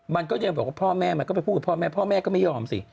มันก็ยังบอกว่าพ่อแม่มันก็ไปพูดกับพ่อแม่พ่อแม่ก็ไม่ยอมสิ